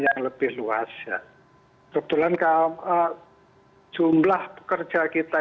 yang lebih luas kebetulan jumlah pekerja kita